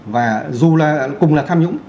và dù là cùng là tham nhũng